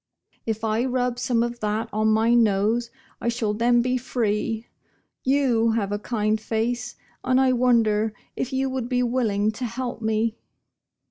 If I rub some of that on my nose I shall then be free. You have a kind face, and I wonder if you would be willing to help me?"